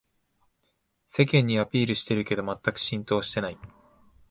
世間にアピールしてるけどまったく浸透してない